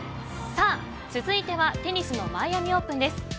続いてはテニスのマイアミオープンです。